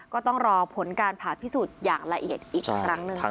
ก็ต้องรอผลการผ่าพิสูจน์อย่างละเอียดอีกครั้งหนึ่ง